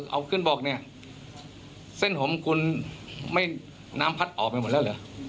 เอาขึ้นบอกเนี่ยเส้นผมคุณไม่น้ำพัดออกไปหมดแล้วเหรอ